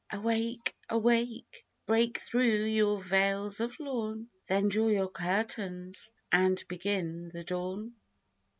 Awake, awake, break through your veils of lawn, Then draw your curtains, and begin the dawn.